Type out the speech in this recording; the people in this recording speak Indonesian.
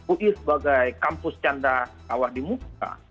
ui sebagai kampus canda tawar di muka